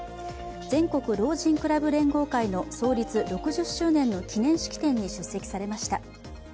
全国老人クラブ連合会の創立６０周年の記念式典に出席されました。